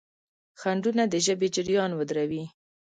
خنډونه د ژبې جریان ودروي.